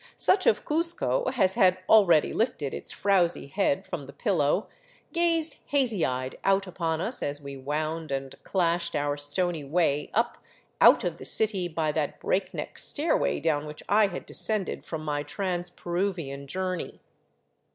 Such of Cuzco as had already lifted its frowsy head from the pillow gazed hazy eyed out upon us as we wound and clashed our stony way up out of the city by that breakneck stairway down which I had de scended from my trans Peruvian journey.